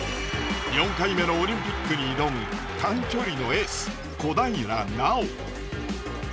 ４回目のオリンピックに挑む短距離のエース小平奈緒。